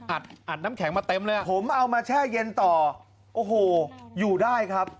อัดอัดน้ำแข็งมาเต็มเลยอ่ะผมเอามาแช่เย็นต่อโอ้โหอยู่ได้ครับ